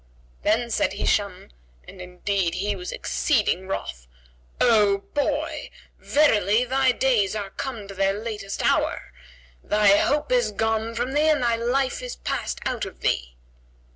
Then said Hisham (and indeed he was exceeding wroth), "O boy, verily thy days are come to their latest hour; thy hope is gone from thee and thy life is past out of thee."